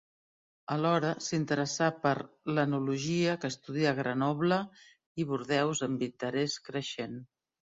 Alhora s’interessà per l'enologia que estudià a Grenoble i Bordeus amb interès creixent.